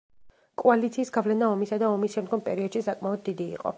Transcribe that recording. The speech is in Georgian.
კოალიციის გავლენა ომისა და ომის შემდგომ პერიოდში საკმაოდ დიდი იყო.